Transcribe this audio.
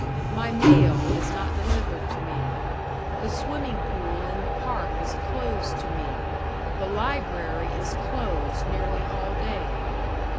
My mail is not delivered to me, the swimming pool in the park is closed to me, the library is closed nearly all day.